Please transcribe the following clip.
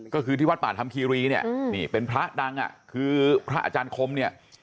ก็คือที่วัดป่าธรรมคีรีเนี่ยนี่เป็นพระดังอ่ะคือพระอาจารย์คมเนี่ย